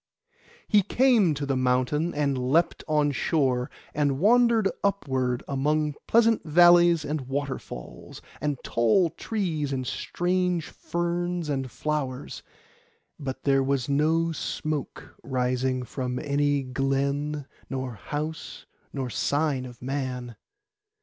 He came to the mountain, and leapt on shore, and wandered upward, among pleasant valleys and waterfalls, and tall trees and strange ferns and flowers; but there was no smoke rising from any glen, nor house, nor sign of man.